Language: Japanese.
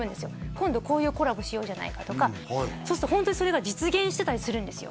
今度こういうコラボしようじゃないかとかそうするとホントにそれが実現してたりするんですよ